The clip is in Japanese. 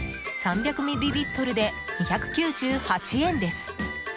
３００ミリリットルで２９８円です。